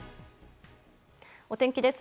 お天気です。